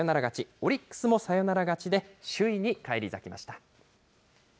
オリックスもサヨナラ勝ちで、首位に返り咲きました。